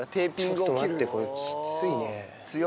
ちょっと待って、これ、きついね。